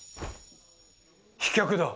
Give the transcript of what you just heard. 飛脚だ。